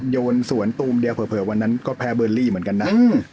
โยนสวนตูมเดียวเผลอวันนั้นก็แพ้เบอร์รี่เหมือนกันนะ